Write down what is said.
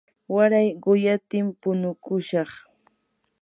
waray quyatim punukushaq.